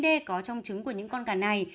d có trong trứng của những con gà này